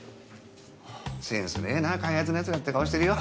センスねぇなぁ開発のやつらって顔してるよ。